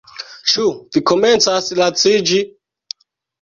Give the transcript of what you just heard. Ĉu vi komencas laciĝi?